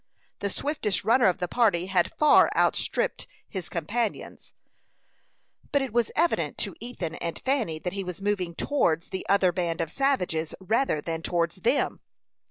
The swiftest runner of the party had far outstripped his companions, but it was evident to Ethan and Fanny that he was moving towards the other band of savages, rather than towards them.